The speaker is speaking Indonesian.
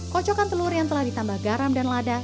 kocokan telur yang telah ditambah garam dan lada